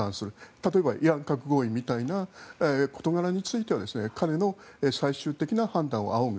例えばイラン核合意みたいな事柄については彼の最終的な判断を仰ぐ。